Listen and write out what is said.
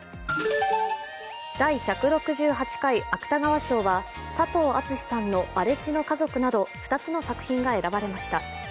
第１６８回芥川賞は佐藤厚志さんの「荒地の家族」など２つの作品が選ばれました。